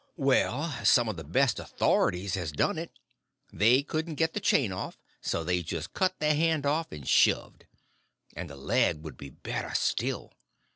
"Well, some of the best authorities has done it. They couldn't get the chain off, so they just cut their hand off and shoved. And a leg would be better still.